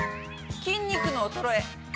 筋肉の衰え。